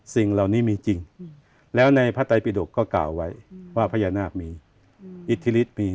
สิ่งเหล่านี้มีจริงแล้วในพระไตรปิดกก็กล่าวไว้ว่าพญานาคมีอิทธิฤทธิมี